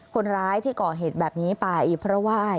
คนร้ายที่เกาะเหตุแบบนี้ป่าอีพระว่าย